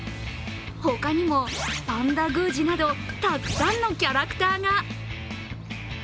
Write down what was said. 他にもパンダ宮司などたくさんのキャラクターが。